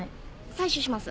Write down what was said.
採取します。